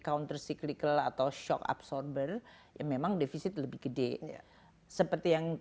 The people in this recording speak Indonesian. counter cyclical atau shock absorber yang memang defisit lebih gede seperti yang